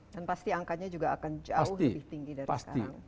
dan pasti angkanya juga akan jauh lebih tinggi dari sekarang